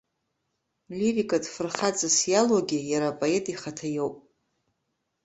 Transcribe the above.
Лирикатә фырхаҵас иалоугьы иара апоет ихаҭа иоуп.